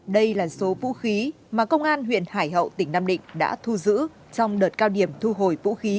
đây là số vũ khí mà công an huyện hải hậu tỉnh nam định đã thu giữ trong đợt cao điểm thu hồi vũ khí